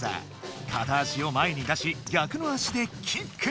かた足を前に出しぎゃくの足でキック！